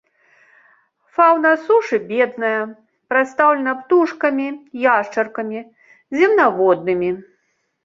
Фаўна сушы бедная, прадстаўлена птушкамі, яшчаркамі, земнаводнымі.